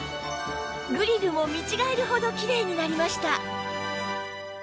グリルも見違えるほどきれいになりました